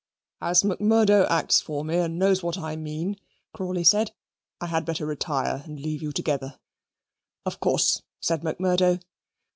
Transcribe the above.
"As Macmurdo acts for me, and knows what I mean," Crawley said, "I had better retire and leave you together." "Of course," said Macmurdo.